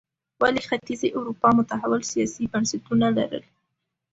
ولې ختیځې اروپا متحول سیاسي بنسټونه لرل.